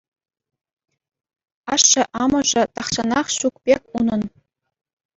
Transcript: Ашшӗ-амӑшӗ тахҫанах ҫук пек унӑн.